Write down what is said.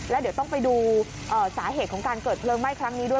แล้วเดี๋ยวต้องไปดูสาเหตุของการเกิดเพลิงไหม้ครั้งนี้ด้วย